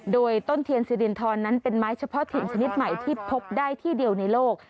โดยต้นเทียนสิรินทรนั้นเป็นไม้เฉพาะถิ่นชนิดใหม่ที่พบได้ที่เดียวในโลก